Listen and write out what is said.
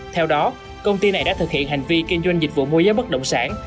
theo đó công ty này đã thực hiện hành vi kinh doanh dịch vụ môi giới bất động sản